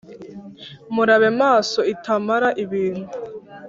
Murabe maso itamara ibintu!